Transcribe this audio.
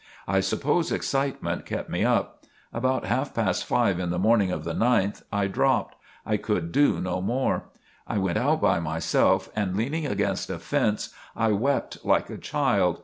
I suppose excitement kept me up. About half past five in the morning of the 9th, I dropped, I could do no more. I went out by myself and leaning against a fence, I wept like a child.